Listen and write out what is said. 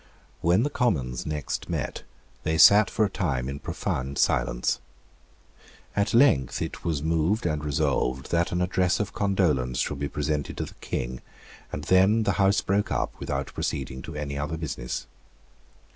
When the Commons next met they sate for a time in profound silence. At length it was moved and resolved that an Address of Condolence should be presented to the King; and then the House broke up without proceeding to other business.